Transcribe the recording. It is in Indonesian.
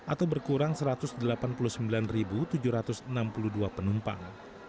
atau berkurang satu ratus delapan puluh sembilan tujuh ratus enam puluh dua penumpang